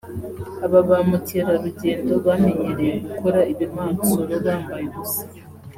Aba ba mukerarugendo bamenyereye gukora ibimansuro bambaye ubusa